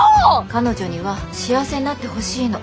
彼女には幸せになってほしいの。